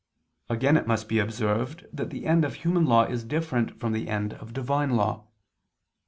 Again it must be observed that the end of human law is different from the end of Divine law.